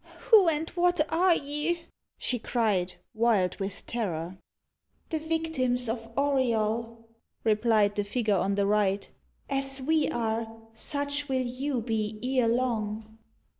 "Who and what are ye?" she cried, wild with terror. "The victims of Auriol!" replied the figure on the right. "As we are, such will you be ere long."